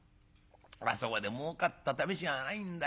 あそこでもうかったためしがないんだよ。